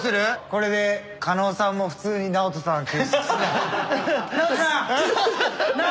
これで狩野さんも普通にＮＡＯＴＯさん救出したら。